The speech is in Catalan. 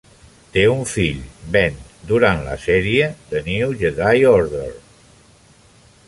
Té un fill, Ben, durant la sèrie "The New Jedi Order".